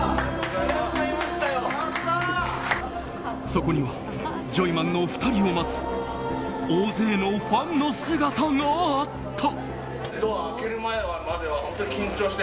そこにはジョイマンの２人を待つ大勢のファンの姿があった。